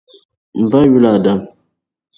M ba yuli Adam.